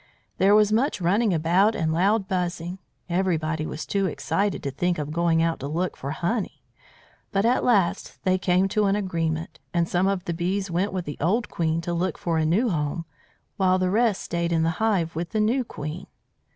There was much running about and loud buzzing. Everybody was too excited to think of going out to look for honey; but at last they came to an agreement, and some of the bees went with the old queen to look for a new home while the rest stayed in the hive with the new queen.